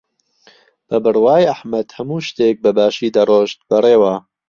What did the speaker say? بە بڕوای ئەحمەد هەموو شتێک بەباشی دەڕۆشت بەڕێوە.